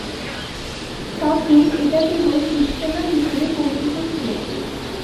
তখন এটা কেবল ইজতেমা হিসেবে পরিচিত ছিল।